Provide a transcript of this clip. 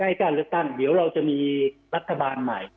ใกล้การเรียกถ้าเมียวเราจะมีรัฐบาลใหม่